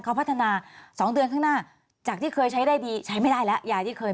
เขาพัฒนา๒เดือนข้างหน้าจากที่เคยใช้ได้ดีใช้ไม่ได้แล้วยายที่เคย